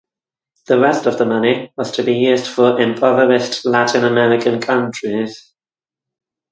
The rest of the money was to be used for impoverished Latin American countries.